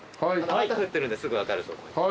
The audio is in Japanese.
旗振ってるんですぐ分かると思います。